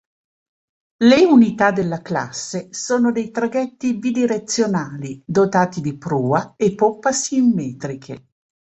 Le unità della classe sono dei traghetti bidirezionali, dotati di prua e poppa simmetriche.